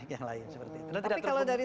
yang lain tapi kalau dari